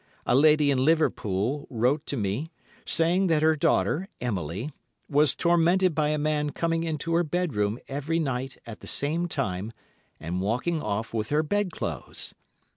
A lady in Liverpool wrote to me, saying that her daughter, Emily, was tormented by a man coming into her bedroom every night at the same time and walking off with her bedclothes.